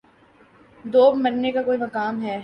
دوب مرنے کا کوئی مقام ہے